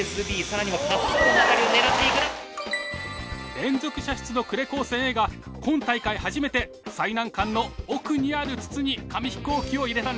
連続射出の呉高専Ａが今大会初めて最難関の奥にある筒に紙飛行機を入れたんです。